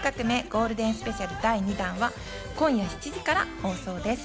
ゴールデンスペシャル第２弾は、今夜７時から放送です。